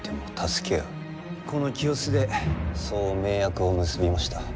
この清須でそう盟約を結びました。